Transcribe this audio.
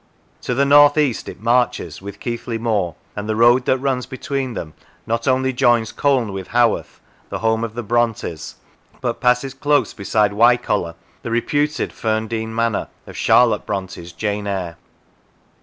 To the north east it marches with Keighley moor, and the road that runs between them not only joins Colne with Haworth, the home of the Brontes, but passes close beside Wycoller, the reputed Ferndean Manor of Charlotte Bronte's " Jane Eyre."